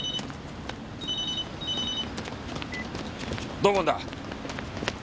土門だ。